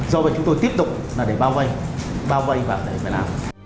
do vậy chúng tôi tiếp tục là để bao vây bao vây và để phải làm